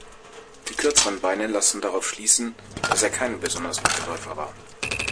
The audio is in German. Die kürzeren Beine lassen darauf schließen, dass er kein besonders guter Läufer war.